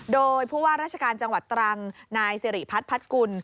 โดยผู้ว่าราชการจังหวัดตรังนายสิริพัฒน์พัดกุล